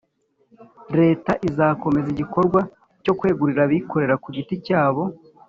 leta izakomeza igikorwa cyo kwegurira abikorera ku giti cyabo